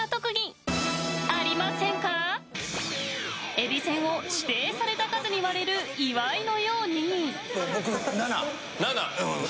えびせんを、指定された数に割れる岩井のように。